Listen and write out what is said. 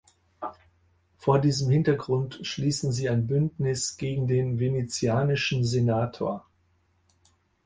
Vor diesem Hintergrund schließen sie ein Bündnis gegen den venezianischen Senator.